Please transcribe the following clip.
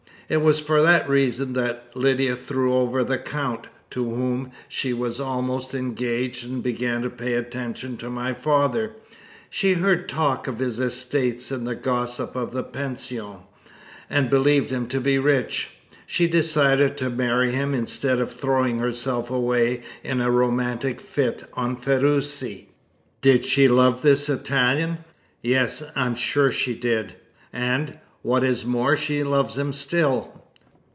It was for that reason that Lydia threw over the count, to whom she was almost engaged, and began to pay attention to my father. She heard talk of his estates in the gossip of the Pension, and believing him to be rich, she decided to marry him instead of throwing herself away in a romantic fit on Ferruci." "Did she love this Italian?" "Yes, I am sure she did; and, what is more, she loves him still!"